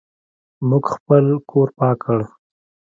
موږ خپل کور پاک کړ.